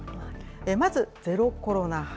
まず、ゼロコロナ派。